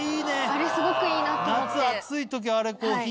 あれすごくいいなって思って。